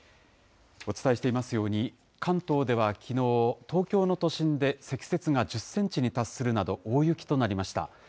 お伝えしていますように、関東ではきのう、東京の都心で積雪が１０センチに達するなど、大雪となりました。